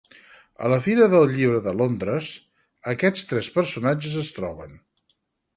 A la Fira del Llibre de Londres, aquests tres personatges es troben.